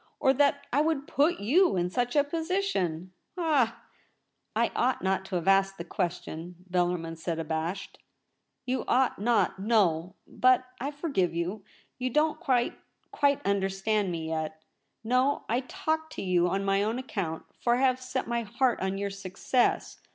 or that I would put you in such a position ? Ah !'' I ought not to have asked the question,' Bellarmin said, abashed. LITER A SCRIPT A. 243 * You ought not — no; but I forgive you. You don't quite, ^tn^e understand me yet. No, I talked to you on my own account ; for I have set my heart on your success.